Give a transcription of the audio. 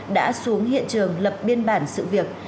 đã xuống hiện trường lập biên bản sự việc